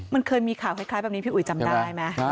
มันเคยมีข่าวคล้ายแบบนี้พี่อุ๋ยจำได้ไหม